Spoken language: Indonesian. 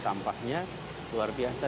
sampahnya luar biasa